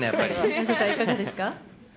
綾瀬さん、いかがですか？